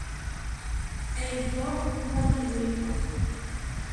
Eikó močiwipa.